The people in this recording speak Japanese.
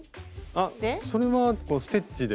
あっそれはこのステッチで。